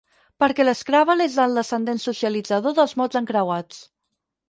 Perquè l'Scrabble és el descendent socialitzador dels mots encreuats.